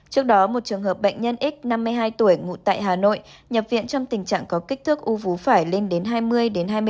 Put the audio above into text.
trước đó một trường hợp bệnh nhân x năm mươi hai tuổi ngụ tại hà nội nhập viện trong tình trạng có kích thước u vú phải lên đến hai mươi đến hai mươi năm